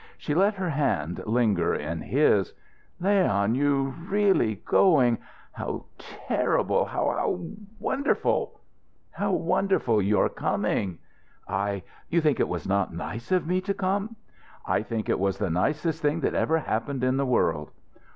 She let her hand linger in his. "Leon you really going how terrible how how wonderful!" "How wonderful your coming!" "I you think it was not nice of me to come?" "I think it was the nicest thing that ever happened in the world."